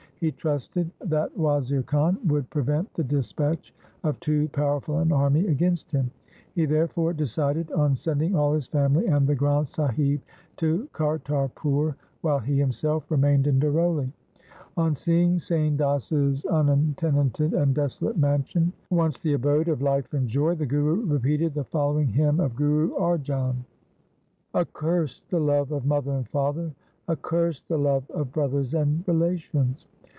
He trusted that Wazir Khan would prevent the dispatch of too powerful an army against him. He therefore decided on sending all his family and the Granth Sahib to Kartarpur, while he himself remained in Daroli. On seeing Sain Das's un 152 THE SIKH RELIGION tenanted and desolate mansion, once the abode of life and joy, the Guru repeated the following hymn of Guru Arjan :— Accursed the love of mother and father; accursed the love of brothers and relations